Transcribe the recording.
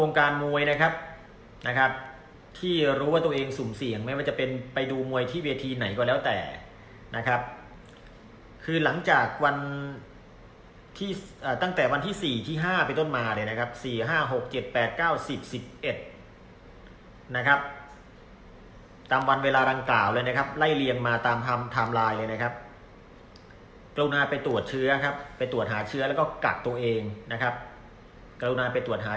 วงการมวยนะครับนะครับที่รู้ว่าตัวเองสุ่มเสี่ยงไม่ว่าจะเป็นไปดูมวยที่เวทีไหนก็แล้วแต่นะครับคือหลังจากวันที่ตั้งแต่วันที่สี่ที่ห้าไปต้นมาเลยนะครับสี่ห้าหกเจ็ดแปดเก้าสิบสิบเอ็ดนะครับตามวันเวลารังเก่าเลยนะครับไล่เรียงมาตามทามไลน์เลยนะครับกรุณาไปตรวจเชื้อครับไปตรวจหาเชื้อแล้วก็กักตัวเองนะ